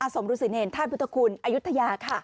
อสมรูศิเน่นท่านพุทธคุณอายุทธยาค่ะ